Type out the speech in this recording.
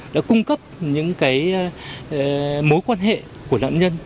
đã cung cấp những mối quan hệ của nạn nhân